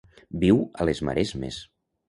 Viu a les maresmes.